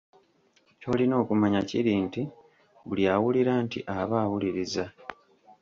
Ky'olina okumanya kiri nti si buli awulira nti aba awuliriza.